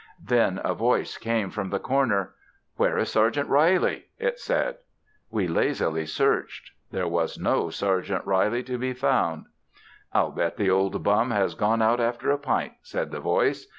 Then a voice came from the corner: "Where is Sergeant Reilly?" it said. We lazily searched. There was no Sergeant Reilly to be found. "I'll bet the old bum has gone out after a pint," said the voice.